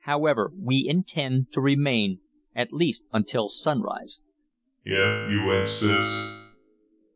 "However, we intend to remain, at least until sunrise." "If you insist."